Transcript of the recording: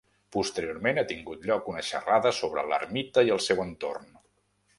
Posteriorment ha tingut lloc una xerrada sobre l’ermita i el seu entorn.